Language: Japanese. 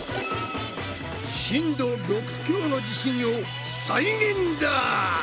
震度６強の地震を再現だ！